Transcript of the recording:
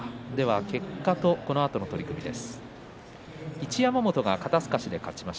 結果とこのあとの取組です。